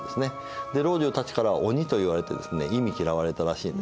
老中たちからは「鬼」と言われて忌み嫌われたらしいんですね。